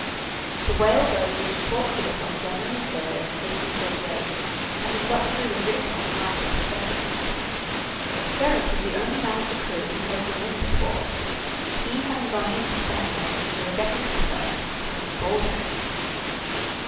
The whaleboat reached Port Philip on January 3rd, 1838, having got through the Rip on the night of the 2nd. Ferris was the only man of the crew who had been in before, he having gone in with Batman, in the 'Rebecca' cutter, Captain Baldwin.